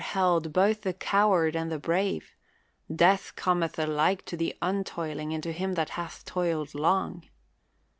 THE WORLD'S FAMOUS ORATIONS both the coward and the brave; death cometh alike to the untoiling and to him that hath toiled long.